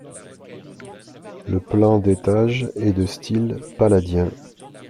Le plan d’étage est de style palladien.